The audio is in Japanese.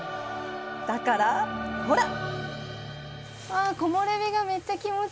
だからほらッ！